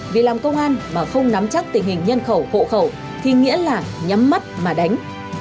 vì làm công an mà không nắm chắc tình hình nhân khẩu hộ khẩu thì nghĩa là nhắm mắt mà đánh